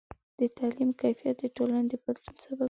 د تعلیم کیفیت د ټولنې د بدلون سبب کېږي.